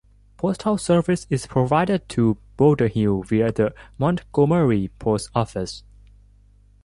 Postal service is provided to Boulder Hill via the Montgomery Post Office.